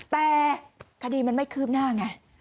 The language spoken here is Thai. แต่คดีมันไม่คืบหน้าไง